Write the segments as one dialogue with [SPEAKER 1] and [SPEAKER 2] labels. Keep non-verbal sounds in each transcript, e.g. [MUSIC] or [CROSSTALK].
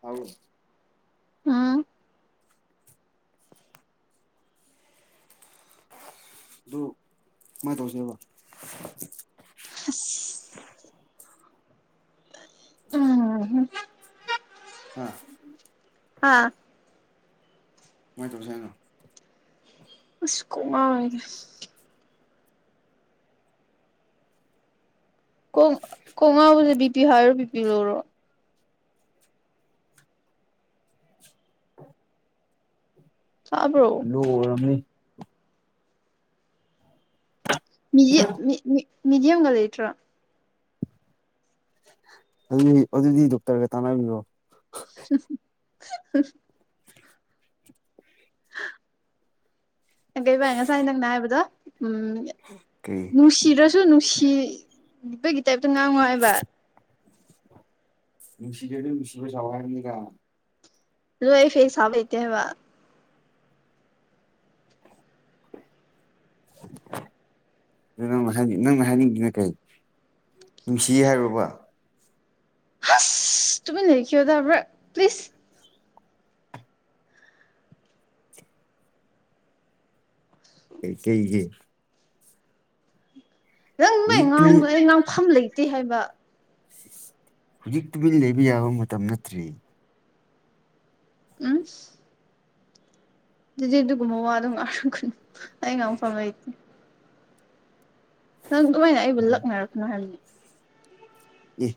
[SPEAKER 1] ꯇꯥꯕ꯭ꯔꯣ
[SPEAKER 2] ꯑꯝ
[SPEAKER 1] ꯗꯨ ꯀꯃꯥꯏ ꯇꯧꯁꯦꯕ
[SPEAKER 2] ꯑꯁ [UNINTELLIGIBLE]
[SPEAKER 1] ꯍꯥꯥ
[SPEAKER 2] ꯍꯥꯥ
[SPEAKER 1] ꯀꯃꯥꯏ ꯇꯧꯁꯦ ꯍꯥꯏꯅꯣ
[SPEAKER 2] ꯑꯁ ꯀꯣꯀ ꯉꯥꯎꯋꯦꯗ ꯀꯣꯡ ꯀꯣꯡꯉꯥꯏꯕꯗꯨ ꯕꯤꯄꯤ ꯍꯥꯏꯔꯣ ꯕꯤꯄꯤ ꯂꯣꯔꯣ ꯇꯥꯕ꯭ꯔꯣ
[SPEAKER 1] ꯂꯣ ꯑꯣꯏꯔꯝꯅꯤ
[SPEAKER 2] ꯃꯤꯗꯤ ꯃꯤ ꯃꯤ ꯃꯤꯗꯤꯌꯝꯒ ꯂꯩꯇ꯭ꯔꯣ
[SPEAKER 1] ꯑꯗꯨꯗꯤ ꯑꯗꯨꯗꯤ ꯗꯣꯛꯇꯔꯒ ꯇꯥꯟꯅꯕꯤꯔꯣ
[SPEAKER 2] [INAUDIBLE] ꯑꯗꯩ ꯕꯥꯅꯤ ꯉꯁꯥꯏ ꯅꯪꯅ ꯍꯥꯏꯕꯗꯣ ꯎꯝ
[SPEAKER 1] ꯀꯩ
[SPEAKER 2] ꯅꯨꯡꯁꯤꯗ꯭ꯔꯁꯨ ꯅꯨꯡꯁꯤꯕꯒꯤ ꯇꯥꯏꯞ ꯇ ꯉꯥꯡꯉꯣ ꯍꯥꯏꯕ
[SPEAKER 1] ꯅꯨꯡꯁꯤꯗ꯭ꯔꯗꯤ ꯅꯨꯡꯁꯤꯕ ꯁꯥꯎ ꯍꯥꯏꯕꯅꯤꯗ
[SPEAKER 2] [UNINTELLIGIBLE] ꯍꯩꯇꯦ ꯍꯥꯏꯕ
[SPEAKER 1] [INAUDIBLE] ꯀꯩꯅꯣ ꯉꯁꯥꯏꯒꯤ ꯅꯪꯅ ꯍꯥꯏꯅꯤꯡꯉꯤꯅ ꯀꯩ ꯅꯨꯡꯁꯤꯌꯦ ꯍꯥꯏꯔꯣꯕ
[SPEAKER 2] ꯍꯁ ꯇꯨꯃꯤꯟ ꯂꯩꯈꯤꯌꯣꯗ ꯑꯃꯔꯛ ꯄ꯭ꯂꯤꯖ
[SPEAKER 1] ꯀꯩ ꯀꯩꯒꯤ
[SPEAKER 2] ꯅꯪ ꯑꯗꯨꯃꯥꯏ
[SPEAKER 1] ꯍꯧꯖꯤꯛ ꯇꯨꯃꯤꯟ
[SPEAKER 2] ꯉꯥꯡꯕꯗꯣ ꯑꯩ ꯉꯥꯡꯐꯝ ꯂꯩꯇꯦ ꯍꯥꯏꯕ
[SPEAKER 1] ꯍꯧꯖꯤꯛ ꯇꯨꯃꯤꯟ ꯂꯩꯕ ꯌꯥꯕ ꯃꯇꯝ ꯅꯠꯇ꯭ꯔꯦ
[SPEAKER 2] [UNINTELLIGIBLE] ꯗꯨꯗꯤ ꯗꯨꯒꯨꯝꯕ ꯋꯥ ꯑꯗꯨ ꯉꯥꯡꯔꯛꯀꯅꯨ ꯑꯩ ꯉꯥꯡꯐꯝ ꯂꯩꯇꯦ ꯅꯪ ꯑꯗꯨꯃꯥꯏꯅ ꯑꯩꯕꯨ ꯂꯛꯅꯔꯛꯀꯅꯨ ꯍꯥꯏꯕꯅꯤ
[SPEAKER 1] ꯑꯦ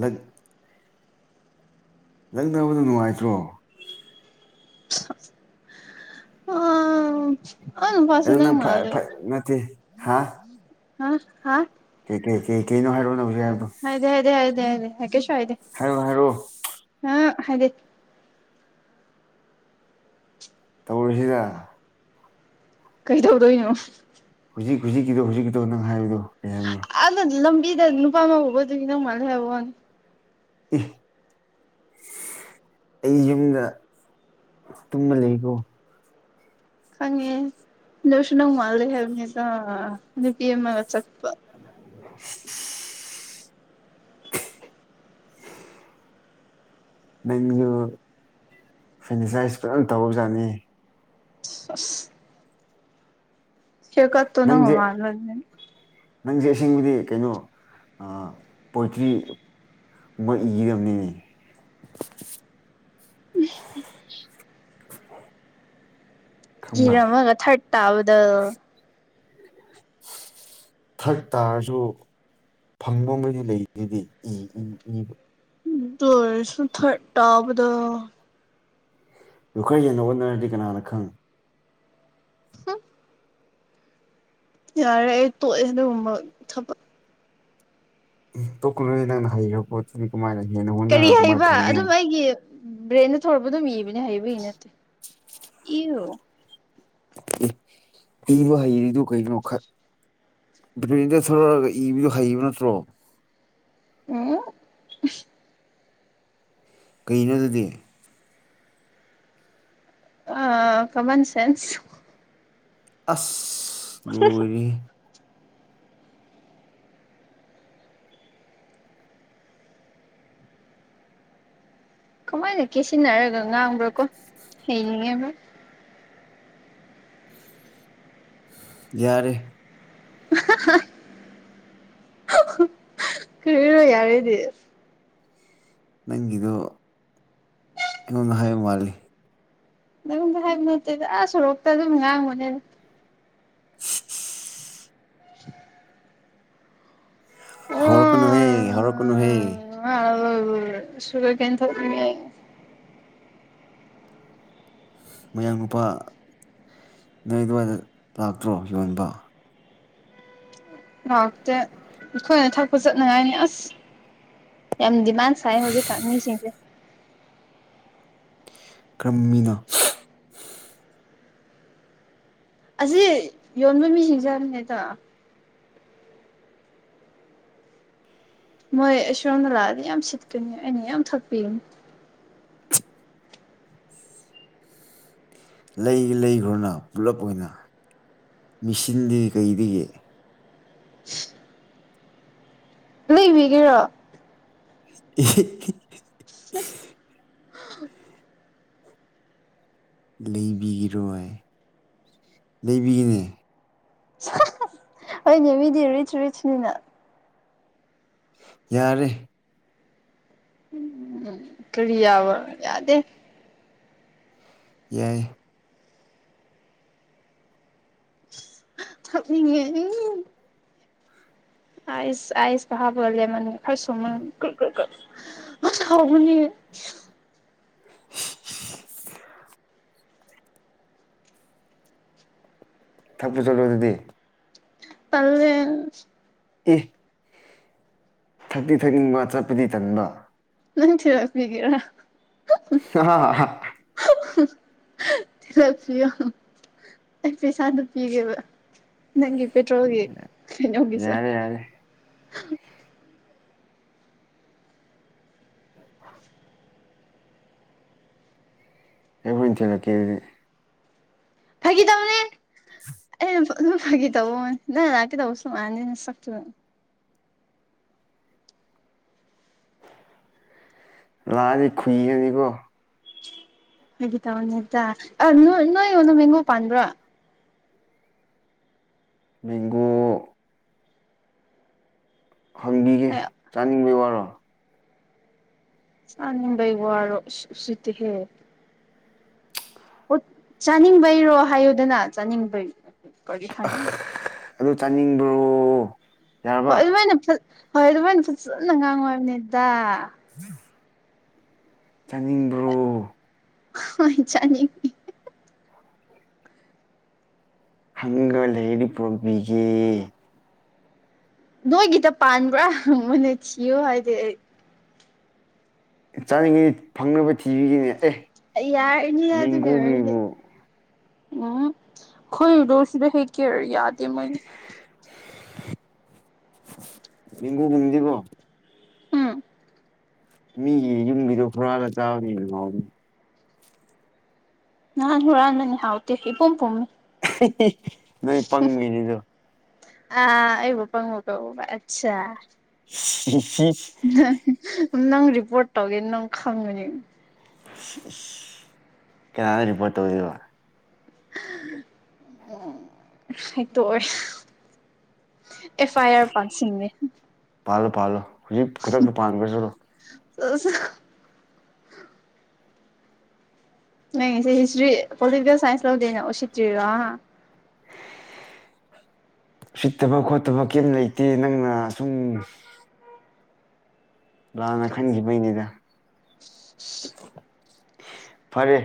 [SPEAKER 1] ꯂꯛ ꯂꯛꯅꯕꯗꯣ ꯅꯨꯉꯥꯏꯇ꯭ꯔꯣ
[SPEAKER 2] [INAUDIBLE] ꯅꯨꯄꯥꯁꯦ
[SPEAKER 1] ꯑꯗꯨ ꯅꯪ ꯐ
[SPEAKER 2] ꯃꯥꯜꯂꯦ
[SPEAKER 1] ꯅꯠꯇꯦ ꯍꯥ
[SPEAKER 2] ꯍꯥ ꯍꯥ
[SPEAKER 1] ꯀꯩ ꯀꯩ ꯀꯩꯅꯣ ꯍꯥꯏꯔꯣ ꯅꯦ
[SPEAKER 2] ꯍꯥꯏꯗꯦ ꯍꯥꯏꯗꯦ ꯍꯥꯏꯗꯦ ꯍꯥꯏꯗꯦ ꯀꯩꯁꯨ ꯍꯥꯏꯗꯦ
[SPEAKER 1] ꯍꯥꯏꯔꯛꯑꯣ ꯍꯥꯏꯔꯛꯑꯣ
[SPEAKER 2] ꯑꯥ ꯍꯥꯏꯗꯤ
[SPEAKER 1] ꯇꯧꯔꯁꯤꯗ
[SPEAKER 2] ꯀꯩ ꯗꯧꯗꯣꯏꯅꯣ
[SPEAKER 1] ꯍꯧꯖꯤꯛ ꯍꯧꯖꯤꯛꯀꯤꯗꯣ ꯍꯧꯖꯤꯛꯀꯤꯗꯣ ꯅꯪ ꯍꯥꯏꯕꯗꯣ ꯀꯩ ꯍꯥꯏꯕꯅꯣ
[SPEAKER 2] ꯑꯗ ꯂꯝꯕꯤꯗ ꯅꯨꯄꯥ ꯑꯃ ꯎꯕꯗꯨꯒꯤ ꯅꯪ ꯃꯜꯃꯦ ꯍꯥꯏꯕꯋꯥꯅꯤ
[SPEAKER 1] ꯏ ꯑꯩ ꯌꯨꯝꯗ ꯇꯨꯝꯃ ꯂꯩꯀꯣ
[SPEAKER 2] ꯈꯪꯉꯦ ꯑꯗꯨꯁꯨ ꯅꯪ ꯃꯥꯜꯂꯦ ꯍꯥꯏꯕꯅꯤꯗ ꯅꯨꯄꯤ ꯑꯃꯒ ꯆꯠꯄ
[SPEAKER 1] [INAUDIBLE] ꯅꯪꯁꯨ ꯐꯔꯅꯤꯆꯥꯏꯁ ꯐꯖꯅ ꯇꯧꯔꯖꯥꯠꯅꯤ
[SPEAKER 2] [INAUDIBLE] ꯍꯤꯔꯀꯠ ꯇꯣ ꯅꯪ
[SPEAKER 1] ꯅꯪꯁꯦ
[SPEAKER 2] ꯃꯥꯟꯃꯅꯗꯅ
[SPEAKER 1] ꯅꯪꯁꯦ ꯑꯁꯦꯡꯕꯗꯤ ꯀꯩꯅꯣ ꯑꯥ ꯄꯣꯏꯇ꯭ꯔꯤ ꯃꯣꯏ ꯌꯦꯛꯑꯝꯅꯤꯅꯦ ꯈꯪꯕ꯭ꯔꯥ
[SPEAKER 2] ꯏꯔꯝꯃꯒ ꯊꯥꯔꯠ ꯇꯥꯕꯗꯣ
[SPEAKER 1] [INAUDIBLE] ꯊ꯭ꯔꯥꯠ ꯇꯥꯔꯁꯨ ꯐꯪꯕꯗꯤ ꯂꯩꯗꯨꯗꯤ ꯏ ꯏ ꯏ
[SPEAKER 2] ꯗꯨꯑꯣꯏꯁꯨ ꯊ꯭ꯔꯠ ꯇꯥꯕꯗꯣ
[SPEAKER 1] ꯂꯣꯀꯔ ꯌꯦꯡꯅꯔꯍꯣꯠꯅꯔꯗꯤ ꯀꯅꯥꯅ ꯈꯪ
[SPEAKER 2] [INAUDIBLE] ꯌꯥꯔꯦ ꯑꯩ ꯇꯣꯛꯑꯦ ꯑꯗꯨꯒꯨꯝꯕ ꯊꯕꯛ
[SPEAKER 1] ꯇꯣꯛꯀꯅꯨꯍꯦ ꯅꯪꯅ ꯍꯩꯈ꯭ꯔꯕ ꯄꯣꯠꯇꯨꯗꯤ ꯀꯃꯥꯏꯅ ꯍꯦꯟꯅ
[SPEAKER 2] ꯀꯔꯤ
[SPEAKER 1] ꯍꯣꯠꯅꯔꯒ ꯀꯃꯥꯏꯅ
[SPEAKER 2] ꯍꯥꯏꯕ
[SPEAKER 1] ꯐꯪꯅꯤ
[SPEAKER 2] ꯑꯗꯨꯝ
[SPEAKER 1] ꯍꯥꯏ
[SPEAKER 2] ꯑꯩꯒꯤ ꯕ꯭ꯔꯦꯟꯗ ꯊꯣꯔꯛꯄ ꯑꯗꯨꯝ ꯏꯕꯅꯦ ꯍꯩꯕꯒꯤ ꯅꯠꯇꯦ ꯏꯌꯣ
[SPEAKER 1] ꯏꯕ ꯍꯩꯔꯤꯗꯨ ꯀꯩꯅꯣ ꯈꯠ ꯕꯔꯦꯟꯗ ꯊꯣꯛꯂꯒ ꯏꯕꯤꯗꯣ ꯍꯩꯕ ꯅꯠꯇ꯭ꯔꯣ
[SPEAKER 2] ꯎꯝ
[SPEAKER 1] ꯀꯩꯅꯣ ꯑꯗꯨꯗꯤ
[SPEAKER 2] ꯑ ꯀꯃꯟ ꯁꯦꯟꯁ
[SPEAKER 1] ꯑꯁ ꯂꯣꯏꯔꯦꯍꯦ
[SPEAKER 2] ꯀꯃꯥꯏꯅ ꯀꯦꯁꯤꯟꯅꯔꯒ ꯉꯥꯡꯕ꯭ꯔꯣꯀꯣ ꯍꯩꯅꯤꯡꯉꯦꯕ
[SPEAKER 1] ꯌꯥꯔꯦ
[SPEAKER 2] [INAUDIBLE] ꯀꯔꯤꯔꯣ ꯌꯥꯔꯦꯗꯤ
[SPEAKER 1] ꯅꯪꯒꯤꯗꯣ ꯑꯩꯉꯣꯟꯗ ꯍꯥꯏꯕ ꯃꯥꯜꯂꯤ
[SPEAKER 2] ꯅꯉꯣꯟꯗ ꯍꯥꯏꯕ ꯅꯠꯇꯦꯗ ꯑꯥ ꯁꯣꯔꯣꯛꯇ ꯑꯗꯨꯝ ꯉꯥꯡꯕꯅꯦ
[SPEAKER 1] [INAUDIBLE]
[SPEAKER 2] [INAUDIBLE]
[SPEAKER 1] ꯍꯧꯔꯛ ꯀꯅꯨꯍꯦ ꯍꯧꯔꯛꯀꯅꯨꯍꯦ
[SPEAKER 2] [INAUDIBLE]
[SPEAKER 1] ꯃꯌꯥꯡ ꯅꯨꯄꯥ ꯅꯣꯏ ꯑꯗꯨꯋꯥꯏꯗ ꯂꯥꯛꯇ꯭ꯔꯣ ꯌꯣꯟꯕ
[SPEAKER 2] ꯂꯥꯛꯇꯦ ꯑꯩꯈꯣꯏꯅ ꯊꯛꯄ ꯆꯠꯅꯉꯥꯏꯅꯤ ꯑꯁ ꯌꯥꯝ ꯗꯤꯃꯥꯟꯁꯥꯏ ꯍꯧꯖꯤꯛ ꯃꯤꯁꯤꯡꯁꯦ
[SPEAKER 1] ꯀ꯭ꯔꯝꯃꯤꯅ
[SPEAKER 2] ꯑꯁꯤ ꯌꯣꯟꯕ ꯃꯤꯁꯤꯡꯁꯤꯡꯁꯦ ꯍꯥꯏꯕꯅꯤꯗ ꯃꯣꯏ ꯑ ꯁꯣꯝꯗ ꯂꯥꯛꯑꯗꯤ ꯌꯥꯝ ꯁꯤꯠꯀꯅꯤ ꯑꯩꯅ ꯌꯥꯝ ꯊꯥꯛꯄꯤꯒꯅꯤ
[SPEAKER 1] ꯂꯩꯒ ꯂꯩꯈ꯭ꯔꯅ ꯄꯨꯂꯞ ꯑꯣꯏꯅ ꯃꯦꯆꯤꯟꯗꯒꯤ ꯀꯩꯗꯒꯤ
[SPEAKER 2] ꯂꯩꯕꯤꯒꯦꯔꯣ
[SPEAKER 1] [INAUDIBLE]
[SPEAKER 2] [INAUDIBLE]
[SPEAKER 1] ꯂꯩꯕꯤꯒꯤꯔꯣ ꯍꯥꯏ ꯂꯩꯕꯤꯒꯤꯅꯦ
[SPEAKER 2] ꯍꯣꯏꯅꯦ ꯃꯤꯗꯤ ꯔꯤꯆ ꯔꯤꯆꯅꯤꯅ
[SPEAKER 1] ꯌꯥꯔꯦ
[SPEAKER 2] ꯎꯝ ꯀꯔꯤꯌꯥꯕ ꯌꯥꯗꯦ
[SPEAKER 1] ꯌꯥꯏ
[SPEAKER 2] ꯊꯛꯅꯤꯡꯉꯦ ꯑꯪ ꯑꯥꯏꯁ ꯑꯥꯏꯁ ꯀ ꯍꯥꯞꯂꯒ ꯂꯦꯃꯟꯒ ꯈꯔ ꯁꯨꯝꯃꯒ ꯒ꯭ꯔꯨꯛꯒ꯭ꯔꯨꯛ ꯍ ꯍꯥꯎꯕꯅꯦ
[SPEAKER 1] ꯁꯤꯁꯤ ꯊꯛꯄ ꯆꯠꯂꯨ ꯑꯗꯨꯗꯤ
[SPEAKER 2] ꯇꯜꯂꯦ
[SPEAKER 1] ꯑꯦ ꯊꯛꯇꯤ ꯊꯛꯅꯤꯡꯕ ꯆꯠꯄꯗꯤ ꯇꯟꯕ
[SPEAKER 2] ꯅꯪ ꯊꯤꯜꯂꯛꯄꯤꯒꯦꯔꯥ
[SPEAKER 1] ꯍ ꯍꯥ ꯍꯥ ꯍꯥ
[SPEAKER 2] ꯍ ꯊꯤꯜꯂꯛꯄꯤꯌꯣ ꯑꯩ ꯄꯩꯁꯥꯗꯣ ꯄꯤꯒꯦꯕ ꯅꯪꯒꯤ ꯄꯦꯇ꯭ꯔꯣꯜꯒꯤ ꯀꯩꯅꯣꯒꯤꯁꯨ
[SPEAKER 1] ꯌꯥꯔꯦ ꯌꯥꯔꯦ [INAUDIBLE] ꯑꯩ ꯍꯣꯔꯦꯟ ꯊꯤꯜꯂꯛꯀꯦ ꯑꯗꯨꯗꯤ
[SPEAKER 2] ꯐꯥꯒꯤ ꯇꯧꯕꯅꯦ
[SPEAKER 1] [INAUDIBLE]
[SPEAKER 2] ꯑꯩꯅ ꯑꯗꯨꯝ ꯐꯥꯒꯤ ꯇꯧꯕꯅꯦ ꯅꯪ ꯂꯥꯛꯀꯗꯧꯕꯁꯨ ꯃꯥꯟꯗꯦ ꯅꯁꯛꯇꯨꯒ
[SPEAKER 1] ꯂꯥꯑꯗꯤ ꯈꯨꯏꯒꯅꯤꯀꯣ
[SPEAKER 2] ꯐꯥꯒꯤ ꯇꯧꯕꯅꯤꯗ ꯑ ꯅꯣꯏ ꯅꯣꯢꯔꯣꯝꯗ ꯃꯦꯡꯒꯣ ꯄꯥꯟꯕ꯭ꯔꯣ
[SPEAKER 1] ꯃꯦꯡꯒꯣ ꯍꯪꯕꯤꯒꯦ
[SPEAKER 2] ꯑꯩ
[SPEAKER 1] ꯆꯥꯅꯤꯡꯕꯩ ꯋꯥꯔꯣ
[SPEAKER 2] ꯆꯥꯅꯤꯡꯕꯩ ꯋꯥꯔꯣ ꯏꯁ ꯎꯁꯤꯠꯇꯦꯍꯦ ꯑꯣ ꯆꯥꯅꯤꯡꯕꯩꯔꯣ ꯍꯥꯏꯌꯨꯗꯅ ꯆꯥꯅꯤꯡꯕꯩ ꯀꯔꯤ ꯍꯥꯏꯅꯣ
[SPEAKER 1] ꯑꯗꯨ ꯆꯥꯅꯤꯡꯕ꯭ꯔꯣ
[SPEAKER 2] ꯍꯣꯏ
[SPEAKER 1] ꯌꯥꯔꯕ
[SPEAKER 2] ꯑꯗꯨꯃꯥꯏꯅ ꯍꯣꯏ ꯑꯗꯨꯃꯥꯏꯅ ꯐꯖꯅ ꯉꯥꯡꯉꯣ ꯍꯥꯢꯕꯅꯤꯗ
[SPEAKER 1] [INAUDIBLE] ꯆꯥꯅꯤꯡꯕ꯭ꯔꯣ
[SPEAKER 2] ꯍꯣꯏ ꯆꯅꯤꯡꯉꯦ
[SPEAKER 1] ꯍꯪꯒ ꯂꯩꯔꯗꯤ ꯄꯨꯔꯛꯕꯤꯒꯦ
[SPEAKER 2] ꯅꯣꯏꯒꯤꯗ ꯄꯥꯟꯕ꯭ꯔ ꯍꯪꯕꯅꯦ ꯊꯤꯌꯣ ꯍꯥꯏꯗꯦ ꯑꯩ
[SPEAKER 1] ꯆꯥꯅꯤꯡꯉꯗꯤ ꯐꯪꯅꯕ ꯊꯤꯕꯤꯒꯦꯅꯦ ꯑꯦ
[SPEAKER 2] ꯑꯩ ꯌꯥꯔꯅꯤ ꯑꯗꯨꯒꯤ ꯑꫭꯏꯔꯗꯤ
[SPEAKER 1] ꯃꯦꯡꯒꯣꯒꯤꯕꯨ
[SPEAKER 2] ꯎꯝ ꯈꯣꯏꯗꯣ ꯁꯤꯗ ꯍꯦꯛ ꯀꯦ ꯌꯥꯗꯦ ꯃꯣꯏꯅ
[SPEAKER 1] ꯃꯦꯡꯒꯣ ꯒꯨꯝꯗꯤꯀꫭ
[SPEAKER 2] ꯎꯝ
[SPEAKER 1] ꯃꯤꯒꯤ ꯌꯨꯝꯒꯤꯗꯣ ꯍꯨꯔꯥꯜꯂ ꯆꯥꯕꯅ ꯍꯦꯟꯅ ꯍꯥꯎꯕꯅꯦ
[SPEAKER 2] ꯅꯍꯥꯟ ꯍꯨꯔꯥꯟꯕꯅꯦ ꯍꯥꯎꯇꯦ ꯏꯄꯨꯝ ꯄꯨꯝꯃꯤ
[SPEAKER 1] [UNINTELLIGIBLE] ꯅꯣꯏ ꯄꯪꯕꯩꯅꯤ ꯗꯨ
[SPEAKER 2] ꯑꯥ ꯑꯩꯕꯨ ꯄꯪꯕ ꯀꯧꯕ ꯑꯠꯁꯆꯥ
[SPEAKER 1] [UNINTELLIGIBLE]
[SPEAKER 2] ꯅꯪ ꯔꯤꯄꯣꯔꯠ ꯇꯧꯒꯦ ꯅꯪ ꯈꯪꯒꯅꯤ
[SPEAKER 1] [UNINTELLIGIBLE] ꯀꯅꯥꯗ ꯔꯤꯄꯣꯔꯠ ꯇꯧꯗꯣꯏꯕ
[SPEAKER 2] [INAUDIBLE] ꯍꯥꯏꯇꯣꯛ ꯑꯣꯏ ꯑꯦꯐ ꯑꯥꯏ ꯑꯥꯔ ꯄꯥꯟꯁꯤꯟꯒꯦ
[SPEAKER 1] ꯄꯥꯜꯂꯣ ꯄꯥꯜꯂꯣ ꯍꯧꯖꯤꯛ ꯈꯨꯗꯛꯇ ꯄꯥꯟꯒ꯭ꯔꫭ ꯆꯠꯂꯣ
[SPEAKER 2] [UNINTELLIGIBLE] ꯅꯪꯒꯤꯁꯦ ꯍꯤꯁꯇ꯭ꯔꯤ ꯄꯣꯂꯤꯇꯤꯀꯦꯜ ꯁꯥꯏꯟꯁ ꯂꯧꯗꯦꯅ ꯎꯁꯤꯠ ꯇ꯭ꯔꯤꯔꯣ ꯍꯥ
[SPEAKER 1] [INAUDIBLE] ꯎꯁꯤꯠꯇꯕ ꯈꯣꯠꯇꯕ ꯀꯩꯝ ꯂꯩꯇꯦ ꯅꯪꯅ ꯁꯨꯝ ꯂꯥꯟꯅ ꯈꯟꯒꯤꯕꯩꯅꯤꯗ ꯐꯔꯦ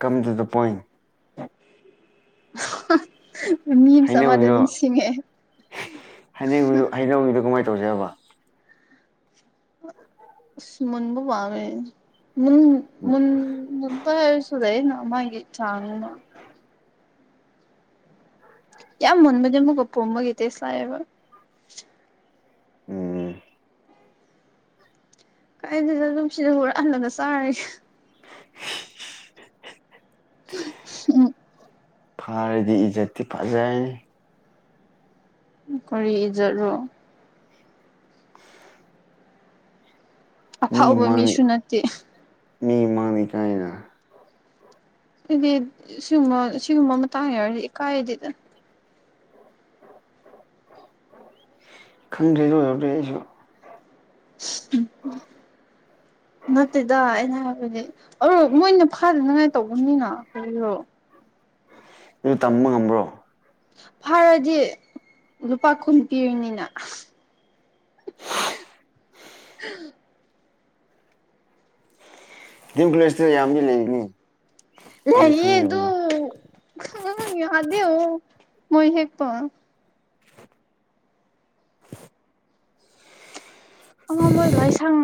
[SPEAKER 1] ꯀꯝ ꯇꯨ ꯗ ꯄꯣꯏꯟ
[SPEAKER 2] ꯃꯤꯝꯁ ꯑꯃꯗꯣ
[SPEAKER 1] ꯍꯩꯅꯧꯗꯣ
[SPEAKER 2] ꯅꯤꯡꯁꯤꯡꯉꯛꯑꯦ
[SPEAKER 1] [UNINTELLIGIBLE] ꯍꯩꯅꯧꯒꯤꯗꯣ ꯀꯝꯃꯥꯏ‌ ꯇꯧꯁꯦꯕ
[SPEAKER 2] ꯑꯁ ꯃꯨꯟꯕ ꯄꯥꯝꯃꯦ ꯃꯨꯟ ꯃꯨꯟꯕ ꯍꯥꯏꯔꯁꯨ ꯂꯩꯌꯦꯅ ꯃꯥꯒꯤ ꯆꯥꯡ‌ ꯑꯃ
[SPEAKER 1] [INAUDIBLE]
[SPEAKER 2] ꯌꯥꯝ ꯃꯨꯟꯕꯗꯤ ꯑꯃꯨꯀ ꯄꯨꯝꯕꯒꯤ ꯇꯦꯁ ꯂꯥꯛꯑꯦꯕ
[SPEAKER 1] ꯎꯝ
[SPEAKER 2] ꯀꯥꯏ [UNINTELLIGIBLE] ꯁꯤꯗ ꯍꯨꯔꯥꯜꯂꯒ ꯆꯥꯔꯤ [UNINTELLIGIBLE]
[SPEAKER 1] ꯐꯥꯔꯗꯤ ꯏꯖꯠꯇꯤ ꯐꯖꯔꯅꯤ
[SPEAKER 2] ꯀꯔꯤ ꯏꯖꯠꯔꯣ
[SPEAKER 1] ꯃꯤ
[SPEAKER 2] ꯑꯐꯥꯎꯕ
[SPEAKER 1] ꯃꯪ
[SPEAKER 2] ꯃꯤꯁꯨ ꯅꯠꯇꯦ
[SPEAKER 1] ꯃꯤ ꯃꯥꯡꯗ ꯢꯀꯥꯏꯅ
[SPEAKER 2] ꯑꯩꯗꯤ ꯁꯤꯒꯨꯝ ꯁꯤꯒꯨꯝꯕ ꯃꯇꯥꯡ ꯌꯧꯔꯗꯤ ꯏꯀꯥꯏꯗꯦꯗ
[SPEAKER 1] [INAUDIBLE] ꯈꯪꯗ꯭ꯔꯦ ꯑꯗꯨ [UNINTELLIGIBLE] ꯑꯩꯖꯨ
[SPEAKER 2] [UNINTELLIGIBLE]
[SPEAKER 1] [INAUDIBLE]
[SPEAKER 2] ꯅꯠꯇꯦꯗ ꯑꯩꯅ ꯍꯥꯏꯕꯗꯤ ꯑꯗꯣ ꯃꯣꯏꯅ ꯐꯥꯗꯅꯉꯥꯏ ꯇꯧꯕꯅꯤꯅ ꯀꯔꯤꯔꯣ
[SPEAKER 1] ꯑꯗꯨ ꯇꯝꯕ ꯉꯝꯕ꯭ꯔꯣ
[SPEAKER 2] ꯐꯥꯔꯗꯤ ꯂꯨꯄꯥ ꯀꯨꯟ ꯄꯤꯔꯅꯤꯅ [UNINTELLIGIBLE]
[SPEAKER 1] ꯗꯤ ꯑꯦꯝ ꯀꫭꯂꯦꯁꯇ ꯌꯥꯝꯗꯤ ꯂꯩꯕꯅꯦ
[SPEAKER 2] ꯂꯩꯌꯦ ꯑꯗꯨ ꯈꯨꯡ ꯌꯥꯗꯦ ꯑꯃꯨꯛ ꯃꯣꯏ ꯍꯦꯛ ꯄ
[SPEAKER 1] [UNINTELLIGIBLE]
[SPEAKER 2] ꯑꯃ ꯃꯣꯏ ꯂꯥꯏꯁꯪ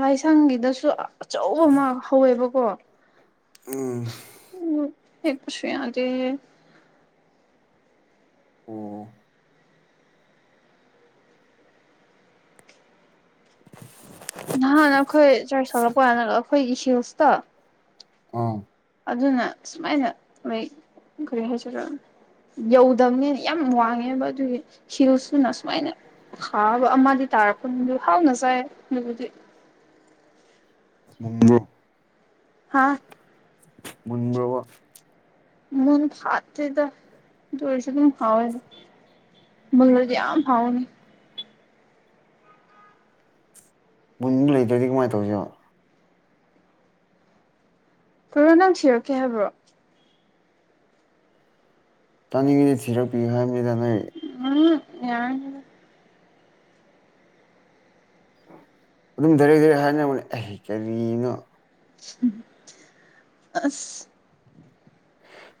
[SPEAKER 2] ꯂꯥꯏꯁꯪꯒꯤꯗꯁꯨ ꯑꯆꯧꯕ ꯑꯃ ꯍꯧꯋꯦꯕꯀꯣ
[SPEAKER 1] ꯎꯝ
[SPEAKER 2] ꯍꯦꯛ ꯄꯁꯨ ꯌꯥꯗꯦ
[SPEAKER 1] ꯑꯣꯑꯣ
[SPEAKER 2] ꯅꯍꯥꯟ ꯑꯩꯈꯣꯏ ꯆꯔꯥꯁ ꯍꯧꯔꯛꯄ ꯀꯟꯗ ꯑꯩꯈꯣꯏꯒꯤ ꯍꯤꯜꯁꯇꯣ
[SPEAKER 1] ꯑꯥ
[SPEAKER 2] ꯑꯗꯨꯅ ꯁꯨꯃꯥꯏꯅ ꯅꯣꯏ ꯀꯔꯤ ꯍꯥꯢꯁꯦꯔ ꯌꯧꯗꯕꯅꯦꯅ ꯌꯥꯝ ꯋꯥꯡꯉꯦꯕ ꯑꯗꯨꯒꯤ ꯍꯤꯜꯁꯇꯨꯅ ꯁꯨꯃꯥꯏꯅ ꯍꯥꯎꯕ ꯑꯃꯗꯤ ꯇꯥꯔꯛꯄꯅꯤ ꯍꯥꯎꯅ ꯆꯥꯏ ꯑꯗꯨꯕꯨꯗꯤ
[SPEAKER 1] ꯃꯨꯟꯕꯔꯣ
[SPEAKER 2] ꯍꯥꯥ
[SPEAKER 1] ꯃꯨꯟꯕꯔꯣꯕ
[SPEAKER 2] ꯃꯣꯟ ꯐꯥꯠ ꯇꯦꯗ ꯑꯗꯨ ꯑꯣꯢꯔꯁꯨ ꯑꯗꯨꯝ ꯍꯧꯋꯦ ꯃꯨꯟꯂꯗꯤ ꯌꯥꯝ ꯍꯥꯎꯅꯤ
[SPEAKER 1] ꯃꯨꯟꯕ ꯂꯩꯇ꯭ꯔꯗꯤ ꯀꯃꯥꯏ ꯇꯧꯁꯦꯕ
[SPEAKER 2] ꯀꯔꯣ ꯅꯪ ꯊꯤꯔꯛꯀꯦ ꯍꯥꯏꯕ꯭ꯔꯣ
[SPEAKER 1] ꯆꯥꯅꯤꯡꯉꯩꯗꯤ ꯊꯤꯔꯛꯄꯤꯒꯦ ꯍꯥꯏꯕꯅꯤꯗ ꯅꯣꯏ
[SPEAKER 2] ꯌꯔꯅꯤꯗ
[SPEAKER 1] ꯑꯗꯨꯝ ꯙꯔꯦꯛ ꯙꯔꯦꯛ ꯍꯥꯏꯅꯧꯅꯦ ꯑꯩ ꯀꯔꯤꯅꯣ
[SPEAKER 2] ꯎꯝ ꯑꯁ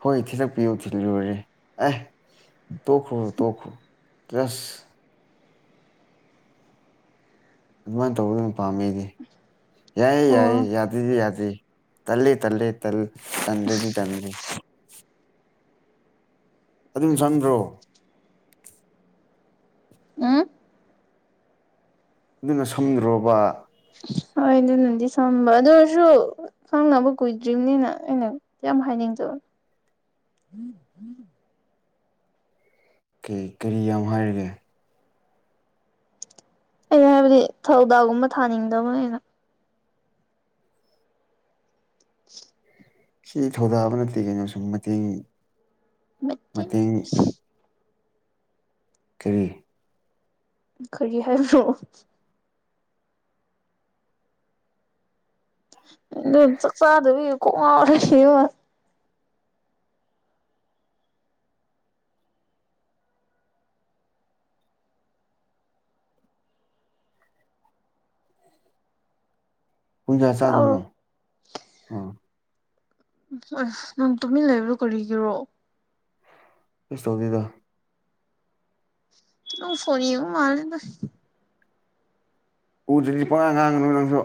[SPEAKER 1] ꯍꯣꯏ ꯊꯤꯜꯂꯛꯄꯤꯌꯨ ꯊꯤꯜꯂꯨꯔꯦ ꯑꯦ ꯇꯣꯛꯈꯣ ꯇꯣꯈ꯭ꯔꯣ ꯇ꯭ꯔꯁ ꯑꯗꯨꯃꯥꯏ ꯇꯧꯕꯗꯨꯅ ꯄꯥꯝꯃꯦ ꯑꯗꯤ ꯌꯥꯏꯌꯦ
[SPEAKER 2] ꯑꯣ
[SPEAKER 1] ꯌꯥꯏꯌꯦ ꯌꯥꯗꯦꯗꯤ ꯌꯥꯗꯦ ꯇꯥꯂꯦ ꯇꯥꯂꯦ ꯇꯜ ꯇꯟꯗ꯭ꯔꯗꯤ ꯇꯟꯗꯦ ꯑꯗꯨꯝ ꯁꯪꯕꯔꯣ
[SPEAKER 2] ꯎꯨꯝ
[SPEAKER 1] ꯑꯗꯨꯅ ꯁꯝꯗ꯭ꯔꯣꯕ
[SPEAKER 2] ꯍꯣꯏ ꯑꯗꯨꯅꯗꯤ ꯁꯝꯕ ꯑꯗꯨ ꯑꯣꯏꯔꯁꯨ ꯈꯪꯅꯕ ꯀꯨꯏꯗ꯭ꯔꯤꯝꯅꯤꯅ ꯑꯩꯅ ꯌꯥꯝ ꯍꯥꯏꯅꯤꯡꯗꯣ
[SPEAKER 1] ꯀꯩ ꯀꯔꯤ ꯌꯥꯝ ꯍꯥꯏꯔꯒꯦ
[SPEAKER 2] ꯑꯩꯅ ꯍꯥꯏꯕꯗꯤ ꯊꯧꯗꯥꯒꯨꯝꯕ ꯊꯥꯅꯤꯡꯗꯕꯅꯤꯅ
[SPEAKER 1] ꯁꯤ ꯊꯧꯗꯥꯕ ꯅꯠꯇꯦꯀꯩꯅꯣ ꯁꯨꯝ ꯃꯇꯦꯡ
[SPEAKER 2] ꯀꯠꯇꯦꯡ
[SPEAKER 1] ꯃꯇꯦꯡ ꯀꯔꯤ
[SPEAKER 2] ꯀꯔꯤ ꯍꯥꯏꯕ꯭ꯔꯣ ꯆꯀꯆꯗꯕꯒꯤ ꯀꯣꯛ ꯉꯥꯎꯔꯒ ꯂꯩꯌꯦꯕ
[SPEAKER 1] ꯄꯨꯡꯀ꯭ꯋꯥ
[SPEAKER 2] ꯀꯥꯎꯔꯣ
[SPEAKER 1] ꯆꯥꯗꯣꯏꯅꯣ ꯑ
[SPEAKER 2] ꯎ ꯑꯥ ꯅꯪ ꯇꯨꯃꯤꯟ ꯂꯩꯕꯗꯣ ꯀꯔꯤꯒꯤꯔꯣ
[SPEAKER 1] ꯀꯩꯁꯨ ꯇꯧꯗꯦꯗ
[SPEAKER 2] ꯅꯪ ꯐꯣꯟ ꯌꯦꯡꯕ ꯃꯥꯜꯂꯦꯗ
[SPEAKER 1] ꯎꯗ꯭ꯔꯤꯗꯤ ꯄꯥꯉꯥꯡ ꯉꯥꯡꯒꯅꯨ ꯅꯪꯁꯨ